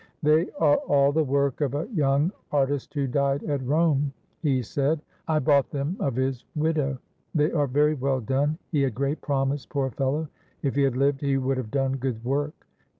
"They are all the work of a young artist who died at Rome," he said. "I bought them of his widow. They are very well done; he had great promise, poor fellow. If he had lived, he would have done good work.